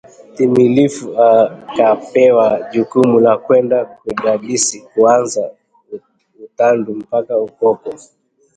timilifu akapewa jukumu la kwenda kudadisi kuanzia utandu mpaka ukoko